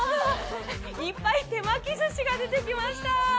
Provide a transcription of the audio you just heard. いっぱい手巻き寿司が出てきました。